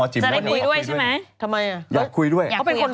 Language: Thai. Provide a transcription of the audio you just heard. จะได้คุยด้วยใช่ไหม